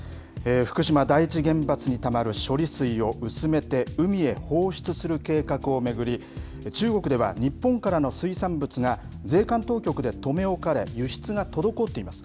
福島第一原発にたまる処理水を薄めて海へ放出する計画を巡り、中国では日本からの水産物が税関当局で留め置かれ、輸出が滞っています。